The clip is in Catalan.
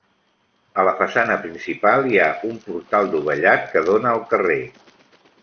A la façana principal hi ha un portal dovellat que dóna al carrer.